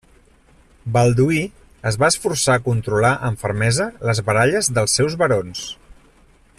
Balduí es va esforçar a controlar amb fermesa les baralles dels seus barons.